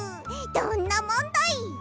どんなもんだい！